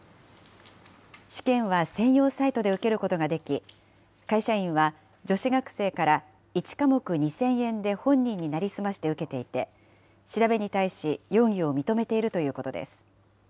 試験は専用サイトで受けることができ、会社員は女子学生から１科目２０００円で本人に成り済まして受けていて、調べに対し容疑を認めているということです。